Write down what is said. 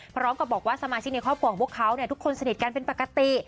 พร้อมกับบอกว่าสมาชิกในครอบครัวของพวกเขาทุกคนสนิทกันเป็นปกติ